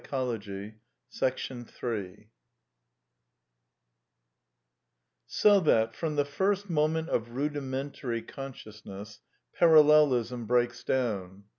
v^ 88 A DEFENCE OF IDEALISM So that, from the first moment of rudimentary conscious ness, Parallelism breaks down.